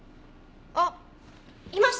あっいました！